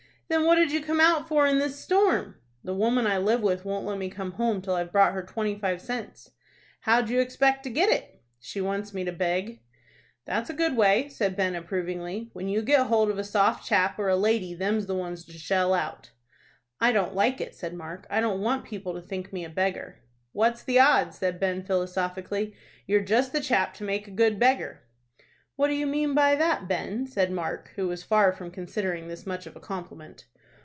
"Then what'd did you come out for in this storm?" "The woman I live with won't let me come home till I've brought her twenty five cents." "How'd you expect to get it?" "She wants me to beg." "That's a good way," said Ben, approvingly; "when you get hold of a soft chap, or a lady, them's the ones to shell out." "I don't like it," said Mark. "I don't want people to think me a beggar." "What's the odds?" said Ben, philosophically. "You're just the chap to make a good beggar." "What do you mean by that, Ben?" said Mark, who was far from considering this much of a compliment.